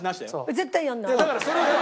絶対やんない。